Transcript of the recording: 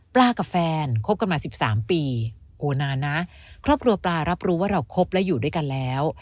กับแฟนคบกันมา๑๓ปีโอ้นานนะครอบครัวปลารับรู้ว่าเราคบและอยู่ด้วยกันแล้ว